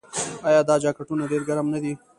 آیا دا جاکټونه ډیر ګرم نه دي؟